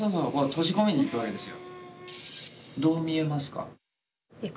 閉じ込めにいくわけですよ。